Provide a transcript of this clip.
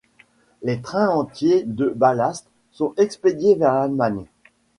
Des trains entiers de ballast sont expédiés vers l'Allemagne.